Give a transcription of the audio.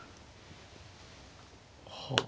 はあ。